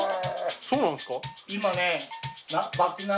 そうなんですか？